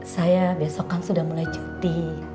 saya besok kan sudah mulai cuti